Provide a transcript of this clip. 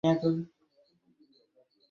ওহ, সর্বনাশ হয়ে গেছে।